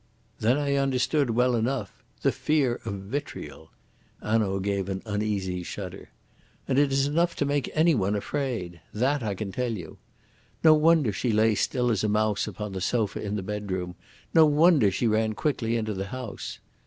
Then I understood well enough. The fear of vitriol!" Hanaud gave an uneasy shudder. "And it is enough to make any one afraid! That I can tell you. No wonder she lay still as a mouse upon the sofa in the bedroom. No wonder she ran quickly into the house.